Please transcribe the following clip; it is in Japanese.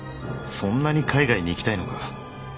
そんなに海外に行きたいのか！？